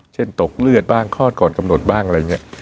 เช่นตกเลือดบ้างคลอดก่อนกำหนดบ้างอะไรอย่างนี้